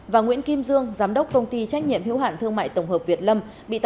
và nguyễn kim dương giám đốc công ty trách nhiệm hữu hạn thương mại tổng hợp việt lâm